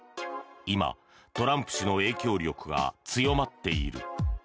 今、トランプ氏の影響力が強まっている。